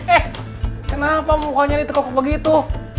eh kenapa mukanya ditekuk begitu